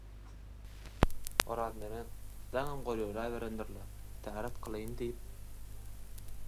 Oraz mergen «Daňam golaýlaberendir-le, täret kylaýyn» diýip